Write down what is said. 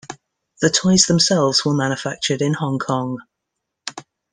The toys themselves were manufactured in Hong Kong.